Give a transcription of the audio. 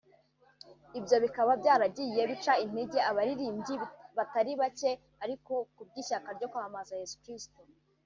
Ibyo bikaba byaragiye bica intege abaririmbyi batari bacye ariko kubw’ishyaka ryo kwamamaza Yesu Kristo